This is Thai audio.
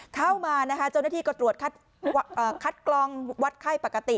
เข้ามานะคะเจ้าหน้าที่ก็ตรวจคัดกรองวัดไข้ปกติ